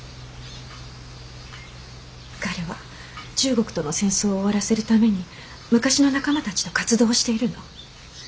彼は中国との戦争を終わらせるために昔の仲間たちと活動をしているの。